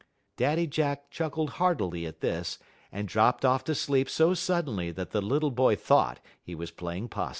Daddy Jack chuckled heartily at this, and dropped off to sleep so suddenly that the little boy thought he was playing 'possum.